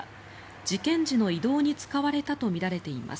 事件時の移動に使われたとみられています。